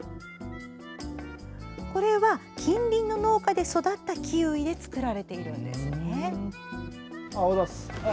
これは近隣の農家で育ったキウイで作られているんです。